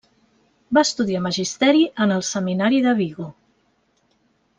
Va estudiar Magisteri en el Seminari de Vigo.